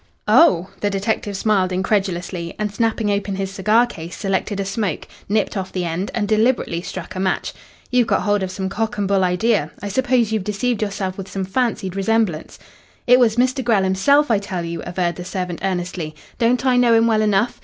"Oh." The detective smiled incredulously, and snapping open his cigar case selected a smoke, nipped off the end, and deliberately struck a match. "You've got hold of some cock and bull idea. I suppose you've deceived yourself with some fancied resemblance." "It was Mr. Grell himself, I tell you," averred the servant earnestly. "Don't I know him well enough?